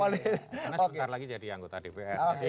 karena sebentar lagi jadi anggota dpr